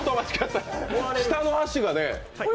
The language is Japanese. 下の脚がね。